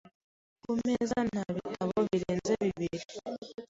Ku meza nta bitabo birenze bibiri.